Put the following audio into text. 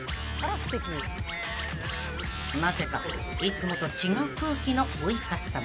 ［なぜかいつもと違う空気のウイカさん］